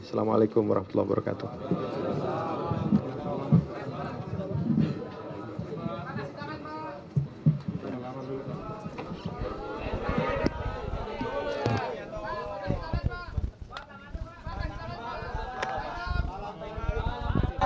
assalamu'alaikum warahmatullahi wabarakatuh